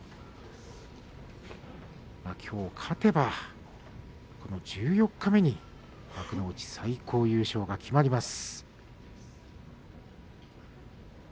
きょう勝てばこの十四日目に幕内最高優勝が決まります。